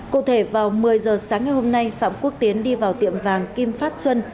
cụ thể vào một mươi giờ sáng ngày hôm nay phạm quốc tiến đi vào tiệm vàng kim phát xuân